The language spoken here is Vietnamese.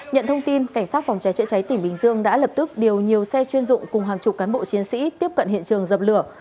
nhận thông tin cảnh sát phòng cháy chữa cháy tỉnh bình dương đã lập tức điều nhiều xe chuyên dụng cùng hàng chục cán bộ chiến sĩ tiếp cận hiện trường dập lửa